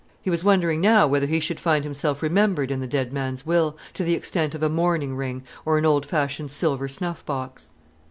He was wondering now whether he should find himself remembered in the dead man's will, to the extent of a mourning ring or an old fashioned silver snuff box.